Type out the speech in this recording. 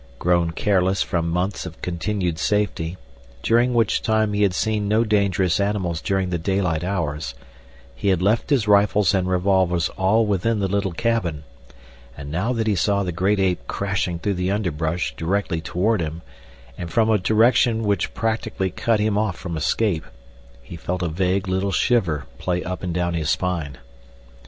Grown careless from months of continued safety, during which time he had seen no dangerous animals during the daylight hours, he had left his rifles and revolvers all within the little cabin, and now that he saw the great ape crashing through the underbrush directly toward him, and from a direction which practically cut him off from escape, he felt a vague little shiver play up and down his spine.